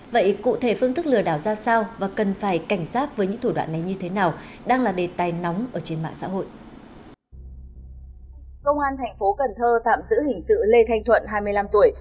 vậy cụ thể phương thức lừa đảo ra sao và cần phải cảnh giác với những thủ đoạn này như thế nào đang là trên mạng xã hội